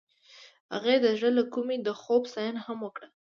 هغې د زړه له کومې د خوب ستاینه هم وکړه.